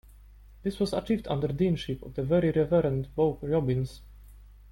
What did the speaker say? This was achieved under deanship of the Very Reverend Boak Jobbins.